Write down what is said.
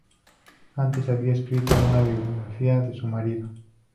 Antes había escrito una biografía de su marido.